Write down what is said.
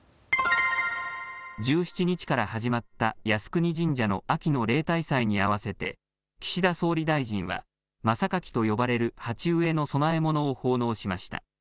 １７日から始まった靖国神社の秋の例大祭に合わせて岸田総理大臣は真榊と呼ばれる鉢植えの供え物を奉納しました。